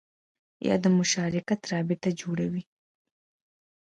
یا د مشارکت رابطه جوړوي